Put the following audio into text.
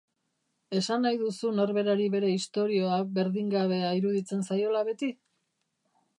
Esan nahi duzu norberari bere istorioa berdingabea iruditzen zaiola beti?